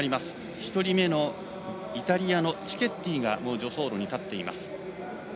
１人目のイタリアのチケッティが助走路に立っています。